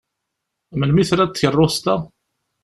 Melmi trad tkeṛṛust-a?